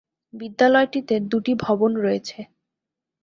বিদ্যালয়টিতে দুটি ভবন রয়েছে।